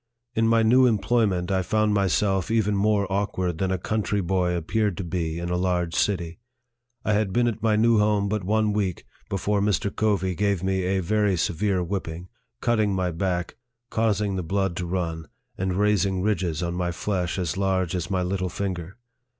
In my new employment, I found myself even more awkward than a country boy appeared to be in a large city. I had been at my new home but one week before Mr. Covey gave me a very severe whipping, cutting my back, causing the blood to run, and raising ridges on my flesh as large as my little finger.